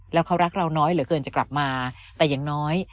แล้วเขารักเราน้อยเหลือเกินจะกลับมาแต่อย่างน้อย